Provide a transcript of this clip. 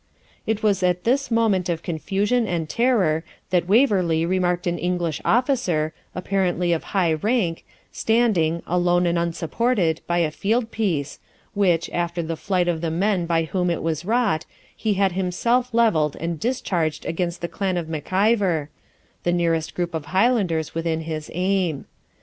It was at this moment of confusion and terror that Waverley remarked an English officer, apparently of high rank, standing, alone and unsupported, by a fieldpiece, which, after the flight of the men by whom it was wrought, he had himself levelled and discharged against the clan of Mac Ivor, the nearest group of Highlanders within his aim.